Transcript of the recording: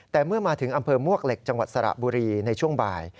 แต่เมื่อมาถึงอำเภอมวกเหล็กจังหวัดสระบุรีในช่วงบ่าย